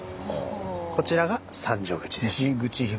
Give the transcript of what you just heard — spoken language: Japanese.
こちらが三条口です。